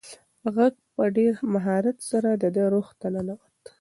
غږ په ډېر مهارت سره د ده روح ته ننووت.